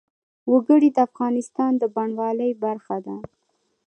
وګړي د افغانستان د بڼوالۍ برخه ده.